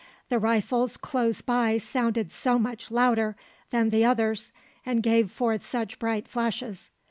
The rifles close by sounded so much louder than the others, and gave forth such bright flashes.